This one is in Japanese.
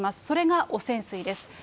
それが汚染水です。